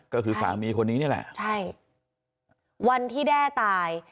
ก็คือสามีคนนี้นี่แหละใช่วันที่แด้ตาย